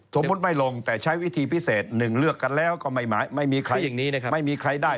สมมุติไม่ลงแต่ใช้วิธีพิเศษหนึ่งเลือกกันแล้วก็ไม่มีใครได้